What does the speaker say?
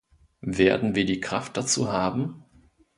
Werden wir die Kraft dazu haben?